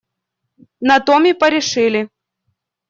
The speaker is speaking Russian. На том и порешили.